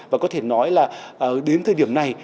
và có thể nói là đến thời điểm này